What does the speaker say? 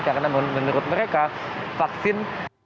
karena menurut mereka vaksin